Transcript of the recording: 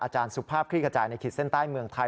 สุภาพคลี่ขจายในขีดเส้นใต้เมืองไทย